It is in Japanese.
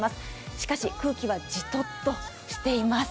しかし、空気はジトッとしています